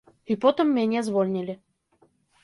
І потым мяне звольнілі.